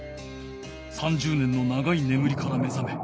３０年の長いねむりから目覚め